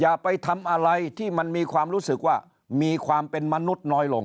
อย่าไปทำอะไรที่มันมีความรู้สึกว่ามีความเป็นมนุษย์น้อยลง